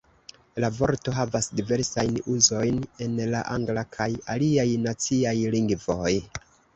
La vorto havas diversajn uzojn en la angla kaj aliaj naciaj lingvoj.